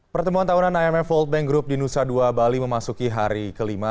pertemuan tahunan imf world bank group di nusa dua bali memasuki hari kelima